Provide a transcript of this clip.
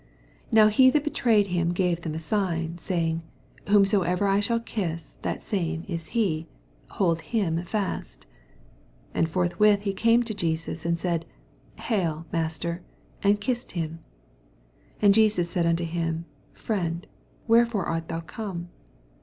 48 Now he that hctraved him gave them a sign, saying, Whomsoever I shall kiss, that same is he : hold him fust. 49 And forthwith he came to Jesns. and said, Hail, master; and kissed him. 50 And Jesus said unto him. Friend, wherefore art thon come